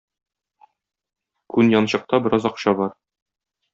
Күн янчыкта бераз акча бар.